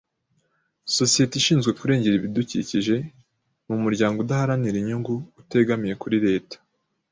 Sosiyete ishinzwe kurengera ibidukikije ni umuryango udaharanira inyungu, utegamiye kuri Leta.